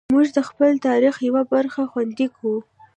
موږ د خپل تاریخ یوه برخه خوندي کوو.